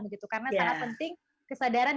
karena sangat penting kesadaran